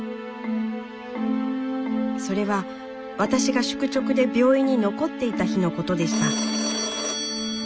それは私が宿直で病院に残っていた日のことでした。